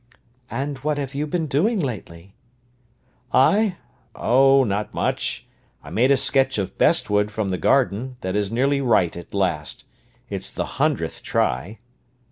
"And what have you been doing lately?" "I—oh, not much! I made a sketch of Bestwood from the garden, that is nearly right at last. It's the hundredth try."